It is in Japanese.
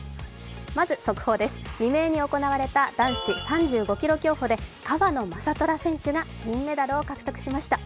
まず速報です、未明に行われた男子３５ｋｍ競歩で川野将虎選手が銀メダルを獲得しました。